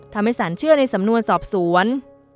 ทำให้สารเชื่อในสำนวนสอบสวน